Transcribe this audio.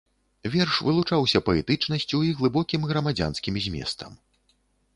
Верш вылучаўся паэтычнасцю і глыбокім грамадзянскім зместам.